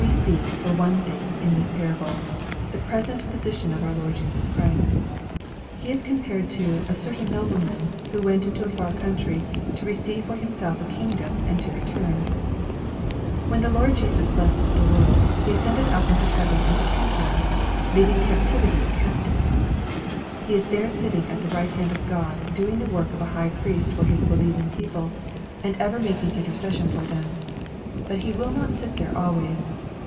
We see, for one thing, in this parable, the present po^ aition of our Lord Jesus Christ. He is compared to '^ a certain nobleman, who went into a far country, to re ceive for himself a kingdom, and to return." When the Lord Jesus left the world. He ascended up into heaven as a conqueror, leading captivity captive. He is there sitting at the right hand of Grod, doing the work of a High Priest for His believing people, and evei it LUKK, CHAP. XIX. 29S making intercession for them. But He will not sit there always.